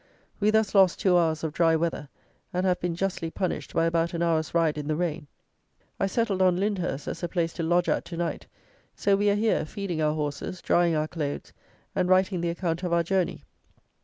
We thus lost two hours of dry weather, and have been justly punished by about an hour's ride in the rain. I settled on Lyndhurst as the place to lodge at to night; so we are here, feeding our horses, drying our clothes, and writing the account of our journey.